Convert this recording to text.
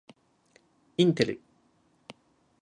インテル